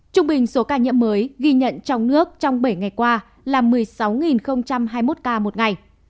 trung bình số ca nhiễm mới ghi nhận trong nước trong bảy ngày qua là một mươi sáu hai mươi một ca một ngày